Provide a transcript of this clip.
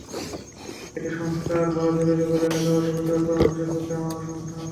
এটি সংস্কার হওয়া জরুরি বলে এলাকাবাসীর প্রতিবাদ কর্মসূচির পক্ষে আমারও সমর্থন আছে।